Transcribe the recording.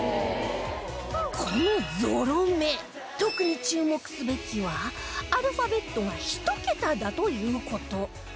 このゾロ目特に注目すべきはアルファベットが１桁だという事